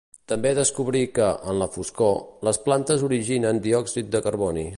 També descobrí que, en la foscor, les plantes originen diòxid de carboni.